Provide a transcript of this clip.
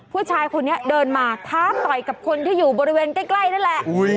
ผู้ชายคนนี้เดินมาท้าต่อยกับคนที่อยู่บริเวณใกล้นั่นแหละ